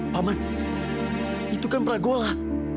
paman itu kan prago lah